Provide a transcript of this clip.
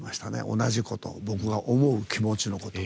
同じこと、僕が思う気持ちのこと。